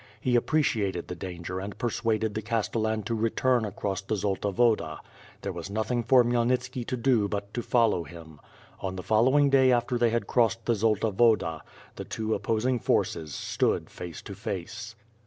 He a])preeiated the dan ^rijr and j)ersuaded the Castellan to return across the Zolta \V(tda. There was nothing for Khmyelnitski to do but to follow him. On the following day after they had crossed the Zolta Woda, the two o])posing forces stood face to face.